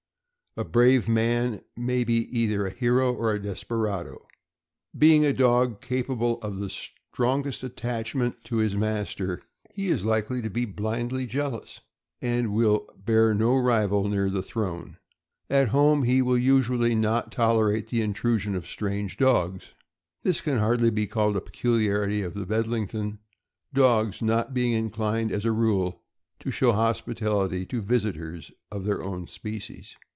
A brave man may be either a hero or a desper ado. Being a dog capable of the strongest attachment to THE BEDLINGTON TERRIER. 405 his master, lie is likely to be blindly jealous, and will "bear no rival near the throne." At home he will usually not tolerate the intrusion of strange dogs. . This can hardly be called a peculiarity of the Bedlington, dogs not being inclined, as a rule, to show hospitality to visitors of their own species.